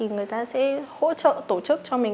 người ta sẽ hỗ trợ tổ chức cho mình